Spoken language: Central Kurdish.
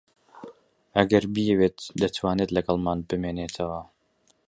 ئەگەر بیەوێت دەتوانێت لەگەڵمان بمێنێتەوە.